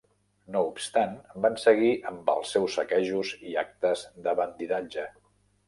No obstant van seguir amb els seus saquejos i actes de bandidatge.